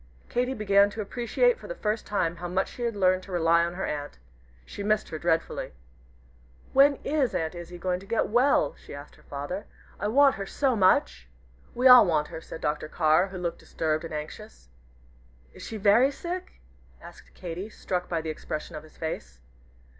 Katy began to appreciate for the first time how much she had learned to rely on her aunt. She missed her dreadfully. "When is Aunt Izzie going to get well?" she asked her father; "I want her so much." "We all want her," said Dr. Carr, who looked disturbed and anxious. "Is she very sick?" asked Katy, struck by the expression of his face.